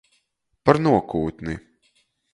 Par nuokūtni.